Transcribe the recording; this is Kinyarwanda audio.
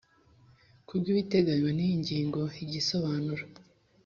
Ku bw ibiteganywa n iyi ngingo igisobanuro